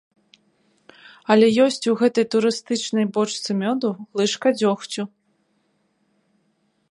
Але ёсць у гэтай турыстычнай бочцы мёду лыжка дзёгцю.